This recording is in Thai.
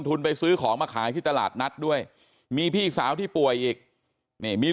ไปซื้อของมาขายที่ตลาดนัดด้วยมีพี่สาวที่ป่วยอีกนี่มี